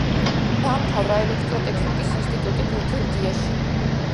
დაამთავრა ელექტროტექნიკის ინსტიტუტი ბელგიაში.